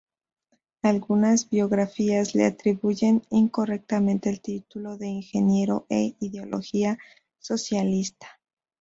Algunas biografías le atribuyen incorrectamente el título de ingeniero, e ideología socialista.